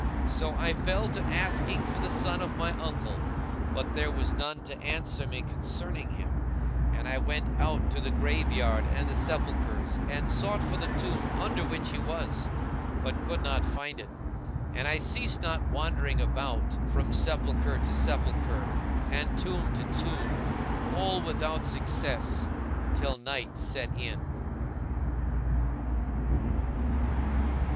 So I fell to asking for the son of my uncle; but there was none to answer me concerning him; and I went out to the grave yard and the sepulchres, and sought for the tomb under which he was, but could not find it; and I ceased not wandering about from sepulchre to sepulchre, and tomb to tomb, all without success, till night set in.